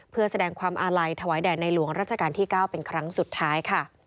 เพื่อแสดงความอาลัยถวายแด่ในหลวงราชการที่๙เป็นครั้งสุดท้ายค่ะ